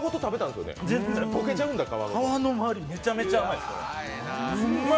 全然、皮のまわりめちゃめちゃ甘いです。